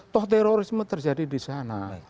toh terorisme terjadi di sana